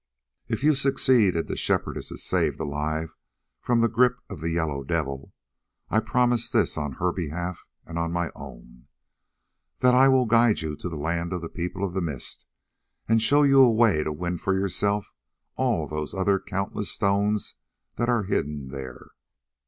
"If you succeed, and the Shepherdess is saved alive from the grip of the Yellow Devil, I promise this on her behalf and on my own: that I will guide you to the land of the People of the Mist, and show you a way to win for yourself all those other countless stones that are hidden there."